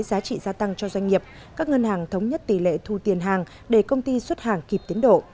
giá trị gia tăng cho doanh nghiệp các ngân hàng thống nhất tỷ lệ thu tiền hàng để công ty xuất hàng kịp tiến đổ